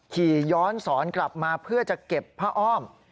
ขี่ย้อนสอนกลับมาเพื่อจะเก็บผ้าอ้อม